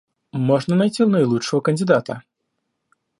Можно найти наилучшего кандидата